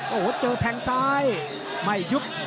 โอ้โหเจอแทงซ้าย